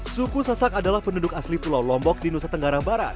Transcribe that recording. suku sasak adalah penduduk asli pulau lombok di nusa tenggara barat